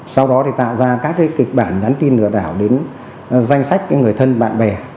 sau đó thì tạo ra các kịch bản nhắn tin lừa đảo đến danh sách người thân bạn bè